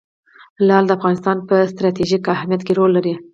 لعل د افغانستان په ستراتیژیک اهمیت کې رول لري.